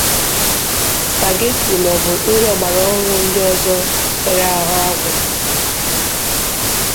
spagetì maọbụ nri ọgbaraọhụrụ ndị ọzọ were arụ agwụ.